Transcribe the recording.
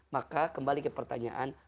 maka kembali ke pertanyaan